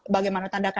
bagaimana tanda kata